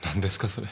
それ。